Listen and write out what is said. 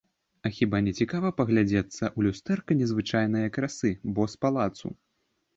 А хіба нецікава паглядзецца ў люстэрка незвычайнае красы, бо з палацу.